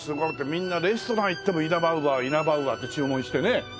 みんなレストラン行ってもイナバウアーイナバウアーって注文してね。